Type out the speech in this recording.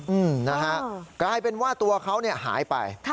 อืมนะฮะกลายเป็นว่าตัวเขาเนี่ยหายไป